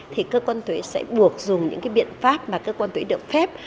thì cơ quan thuế sẽ buộc dùng những cái biện pháp mà cơ quan thuế được phép